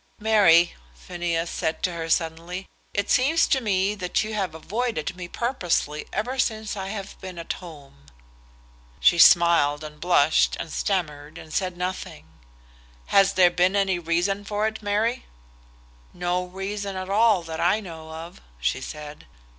"Mary," Phineas said to her suddenly, "it seems to me that you have avoided me purposely ever since I have been at home." She smiled and blushed, and stammered and said nothing. "Has there been any reason for it, Mary?" "No reason at all that I know of," she said.